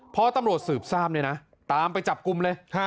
พอตำรวจสืบสามเลยนะตามไปจับกุมเลย